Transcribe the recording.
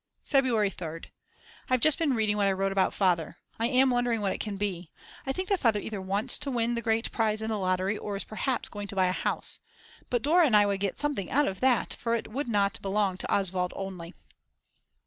February 3rd. I've just been reading what I wrote about Father. I am wondering what it can be. I think that Father either wants to win the great prize in the lottery or is perhaps going to buy a house. But Dora and I would get something out of that, for it would not belong to Oswald only.